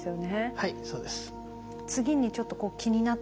はいそうです。